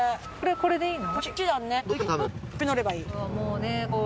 これでいいの？